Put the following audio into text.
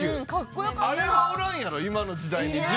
あれはおらんやろ今の時代。